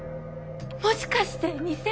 もしかして偽物？